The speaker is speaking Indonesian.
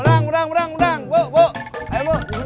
raya rasaisiert apa computer